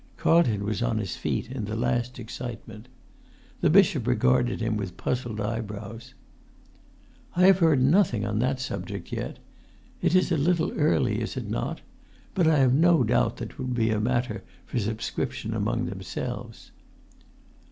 Carlton was on his feet in the last excitement. The bishop regarded him with puzzled eyebrows. "I have heard nothing on that subject as yet; it is a little early, is it not? But I have no doubt that it will be a matter for subscription among themselves."